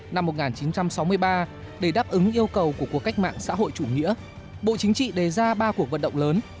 năm một nghìn chín trăm sáu mươi ba để đáp ứng yêu cầu của cuộc cách mạng xã hội chủ nghĩa bộ chính trị đề ra ba cuộc vận động lớn